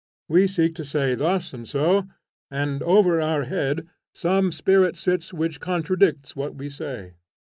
We seek to say thus and so, and over our head some spirit sits which contradicts what we say.